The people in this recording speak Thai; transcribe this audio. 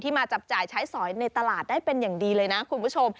มาจับจ่ายใช้สอยในตลาดได้เป็นอย่างดีเลยนะคุณผู้ชม